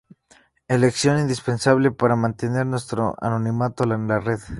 elección indispensable para mantener nuestro anonimato en la red